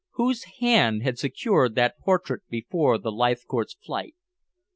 Whose hand had secured that portrait before the Leithcourt's flight?